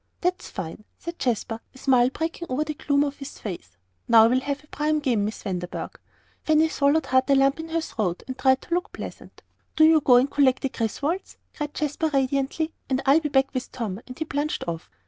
"That's fine," said Jasper, a smile breaking over the gloom on his face; "now we'll have a prime game, Miss Vanderburgh." Fanny swallowed hard the lump in her throat, and tried to look pleasant. "Do you go and collect the Griswolds," cried Jasper, radiantly, "and I'll be back with Tom," and he plunged off.